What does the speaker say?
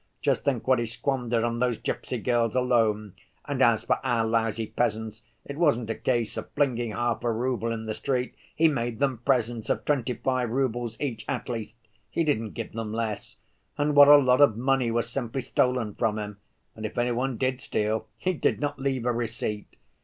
Just think what he squandered on those gypsy girls alone! And as for our lousy peasants, it wasn't a case of flinging half a rouble in the street, he made them presents of twenty‐five roubles each, at least, he didn't give them less. And what a lot of money was simply stolen from him! And if any one did steal, he did not leave a receipt.